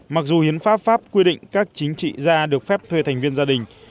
mặc dù hiến pháp pháp quy định các chính trị gia được phép thuê thành viên gia đình